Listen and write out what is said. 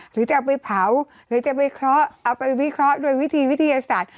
หรือจะเอาไปเผาหรือจะเอาไปวิเคราะห์ด้วยวิธีวิทยาศาสตร์